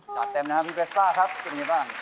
จอดเต็มนะครับพี่เบซ่าครับคุณยังไงบ้าง